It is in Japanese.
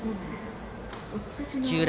土浦